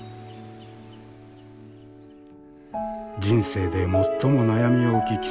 人生で最も悩み多き